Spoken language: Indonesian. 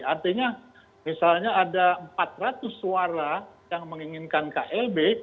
artinya misalnya ada empat ratus suara yang menginginkan klb